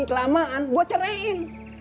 kelamaan gua ceren